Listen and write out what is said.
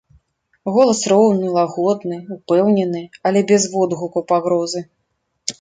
Голас роўны, лагодны, упэўнены, але без водгукаў пагрозы.